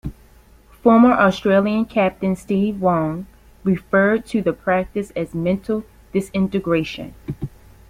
Former Australian captain Steve Waugh referred to the practice as 'mental disintegration'.